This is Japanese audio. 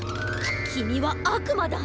きみはあくまだ！